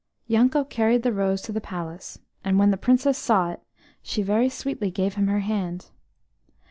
Yanko carried the rose to the palace, and when the Princess saw it she very sweetly gave him her hand.